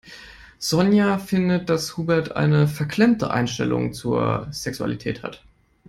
Sonja findet, dass Hubert eine verklemmte Einstellung zur Sexualität hat.